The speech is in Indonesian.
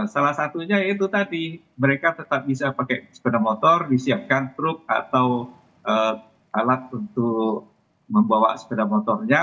salah satunya itu tadi mereka tetap bisa pakai sepeda motor disiapkan truk atau alat untuk membawa sepeda motornya